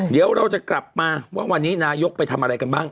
เดี๋ยวเราจะกลับมาว่าวันนี้นายกไปทำอะไรกันบ้าง